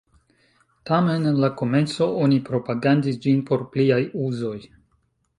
Tamen, en la komenco, oni propagandis ĝin por pliaj uzoj.